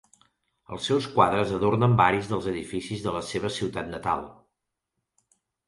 Els seus quadres adornen varis dels edificis de la seva ciutat natal.